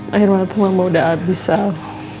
akhirnya waktu mama udah abis al